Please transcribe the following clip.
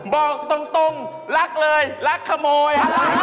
บอกตรงรักเลยรักขโมย